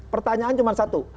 pertanyaan cuma satu